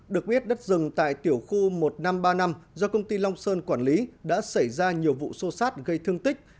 được biết đất rừng tại tiểu khu một nghìn năm trăm ba mươi năm do công ty long sơn quản lý đã xảy ra nhiều vụ sô sát gây thương tích